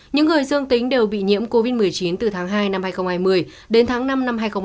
những người dương tính đều bị nhiễm covid một mươi chín từ tháng hai năm hai nghìn hai mươi đến tháng năm năm hai nghìn hai mươi